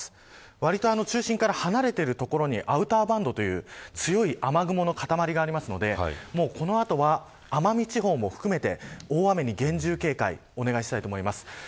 割と中心から離れている所にアウターバンドという強い雨雲の塊がありますのでこの後は奄美地方も含めて大雨に厳重警戒をお願いしたいと思います。